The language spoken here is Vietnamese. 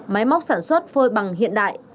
máy móc sản xuất phôi bằng hiện đại